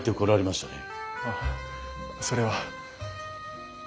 あっそれは。